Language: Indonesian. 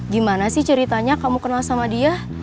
gimana sih ceritanya kamu kenal sama dia